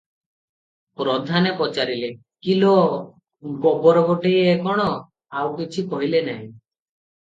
ପ୍ରଧାନେ ପଚାରିଲେ- "କିଲୋ ଗୋବରଗୋଟେଇ ଏ କଣ?" ଆଉ କିଛି କହିଲେ ନାହିଁ ।